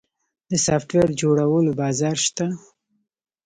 د سافټویر جوړولو بازار شته؟